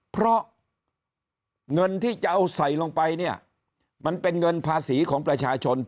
เพราะเงินที่จะเอาใส่ลงไปเนี่ยมันเป็นเงินภาษีของประชาชน